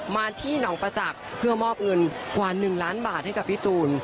มาที่หนองประจักษ์เพื่อมอบเงินกว่า๑ล้านบาทให้กับพี่ตูน